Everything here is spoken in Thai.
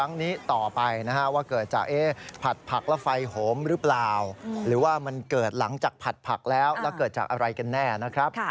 คลังนี้ต่อไปว่าเกิดจากพัดผักและไฟโหมหรือว่ามันเกิดหลังจากผัดผักและเกิดจากอะไรกันแน่นะครับ